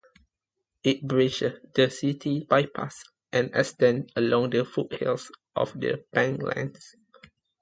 It bridges the city bypass, and extends along the foothills of the Pentlands.